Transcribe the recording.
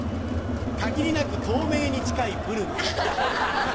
「限りなく透明に近いブルマ」。